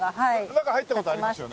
中入った事ありますよね？